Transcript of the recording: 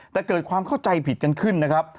แต่เกิดความเข้าใจผิดกันขึ้นนะครับ